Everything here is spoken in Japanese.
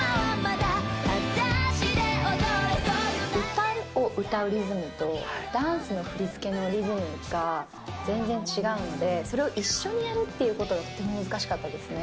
歌を歌うリズムと、ダンスの振り付けのリズムが全然違うので、それを一緒にやるっていうことがとても難しかったですね。